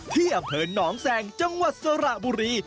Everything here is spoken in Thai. เที่ยบเผินน้องแสงจังหวัดสรบุรี